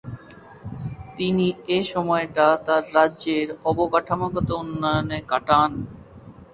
তিনি এ সময়টা তার রাজ্যের অবকাঠামোগত উন্নয়নে কাটান।